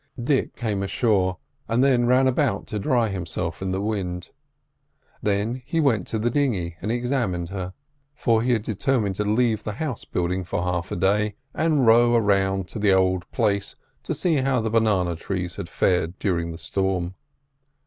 Dick came ashore, and then ran about to dry himself in the wind. Then he went to the dinghy and examined her; for he had determined to leave the house building for half a day, and row round to the old place to see how the banana trees had fared during the storm.